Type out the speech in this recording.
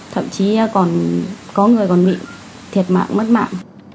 thậm chí còn có người còn bị thiệt mạng mất mạng